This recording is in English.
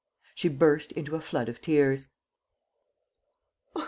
She burst into a flood of tears.